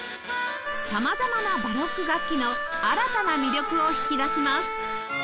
様々なバロック楽器の新たな魅力を引き出します